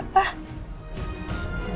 lo mau masukin apa